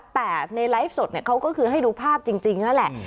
แต่ในไลฟ์สดเขาก็คือให้ดูภาพจริงนั่นแหละ